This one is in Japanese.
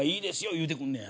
言うてくんねや。